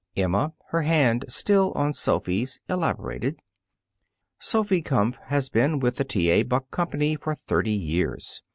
Emma, her hand still on Sophy's, elaborated: "Sophy Kumpf has been with the T. A. Buck Company for thirty years.